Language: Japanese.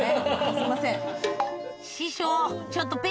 すいません。